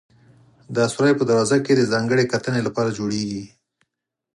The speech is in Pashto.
دا سورى په دروازه کې د ځانګړې کتنې لپاره جوړېږي.